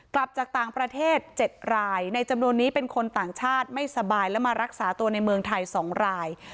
กลับจากต่างประเทศ๗รายในจำนวนนี้เป็นคนต่างชาติไม่สบายและมารักษาตัวในเมืองไทย๒ราย